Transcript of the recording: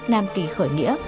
nam kỳ khởi nghĩa